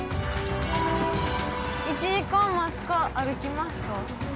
１時間待つか歩きますか？